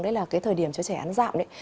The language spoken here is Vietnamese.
đấy là cái thời điểm cho trẻ ăn dạo đấy